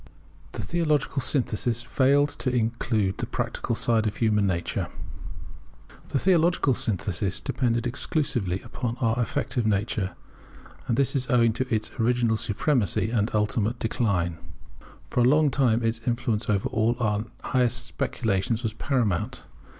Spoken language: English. [The Theological synthesis failed to include the practical side of human nature] The theological synthesis depended exclusively upon our affective nature; and this is owing its original supremacy and its ultimate decline. For a long time its influence over all our highest speculations was paramount.